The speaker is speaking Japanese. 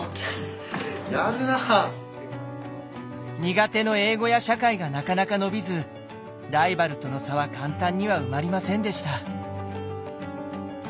苦手の英語や社会がなかなか伸びずライバルとの差は簡単には埋まりませんでした。